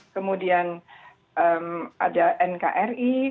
kemudian ada nkri